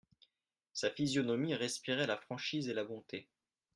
Sa physionomie respirait la franchise et la bonté.